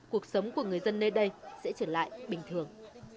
cuộc sống của người dân nơi đây sẽ trở lại bình thường